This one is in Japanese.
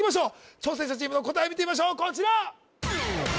挑戦者チームの答え見てみましょうこちら！